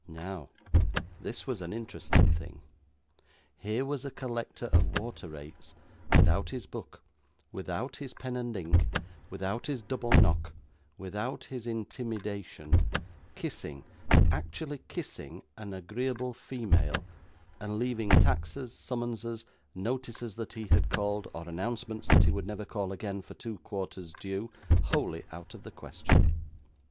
Now, this was an interesting thing. Here was a collector of water rates, without his book, without his pen and ink, without his double knock, without his intimidation, kissing actually kissing an agreeable female, and leaving taxes, summonses, notices that he had called, or announcements that he would never call again, for two quarters' due, wholly out of the question.